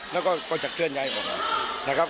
แล้วก็จะเคลื่อนย้ายของเรานะครับ